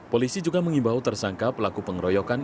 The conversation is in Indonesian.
polisi juga mengimbau tersangka pelaku pengeroyokan